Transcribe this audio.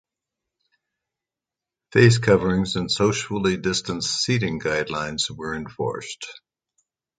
Face coverings and socially distanced seating guidelines were enforced.